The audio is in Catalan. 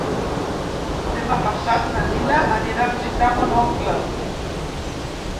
Demà passat na Nina anirà a visitar mon oncle.